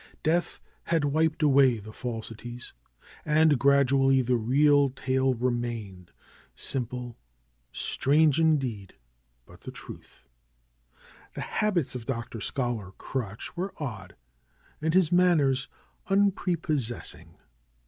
Death had wiped away the falsities. And gradually the real tale remained, simple, strange in deed, but the truth. The habits of Dr. Scholar Crutch were odd, and his manners unprepossessing.